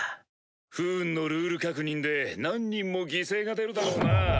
不運のルール確認で何人も犠牲が出るだろうな。